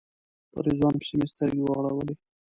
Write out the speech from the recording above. په رضوان پسې مې سترګې وغړولې.